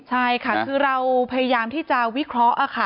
ใช่ค่ะคือเราพยายามที่จะวิเคราะห์ค่ะ